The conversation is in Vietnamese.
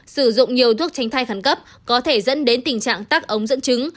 sử dụng nhiều thuốc tránh thai khẩn cấp có thể dẫn đến tình trạng tắc ống dẫn chứng